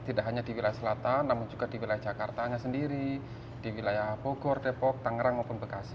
tidak hanya di wilayah selatan namun juga di wilayah jakartanya sendiri di wilayah bogor depok tangerang maupun bekasi